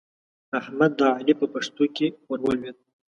احمد د علي په پښتو کې ور ولوېد.